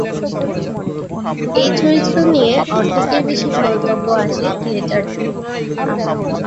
এই চলচ্চিত্র নিয়ে অর্ধেকের বেশি মন্তব্য আসে থিয়েটার থেকে।